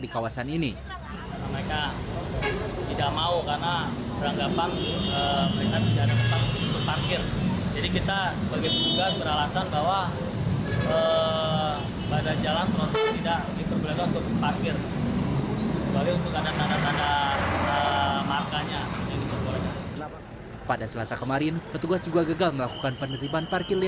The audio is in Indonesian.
di kawasan kulit raya ini